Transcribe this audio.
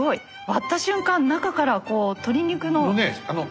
割った瞬間中からこう鳥肉の。